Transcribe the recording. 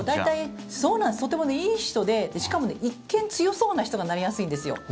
とてもいい人でしかもね、一見強そうな人がなりやすいんですよ。